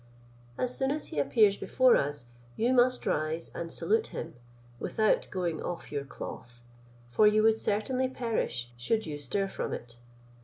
As soon as he appears before us, you must rise and salute him, without going off your cloth; for you would certainly perish, should you stir from it.